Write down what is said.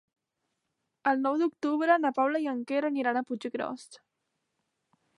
El nou d'octubre na Paula i en Quer aniran a Puiggròs.